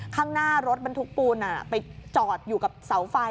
ข้างหน้ารถบรรทุกปูนไปจอดอยู่กับเสาไฟ